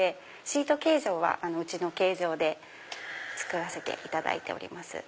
シート形状はうちの形状で作らせていただいております。